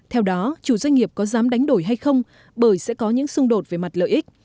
theo đó chủ doanh nghiệp có dám đánh đổi hay không bởi sẽ có những xung đột về mặt lợi ích